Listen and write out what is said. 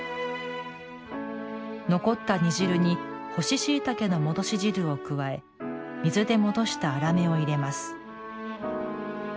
残った煮汁に干ししいたけの戻し汁を加え水で戻したあらめを入れます。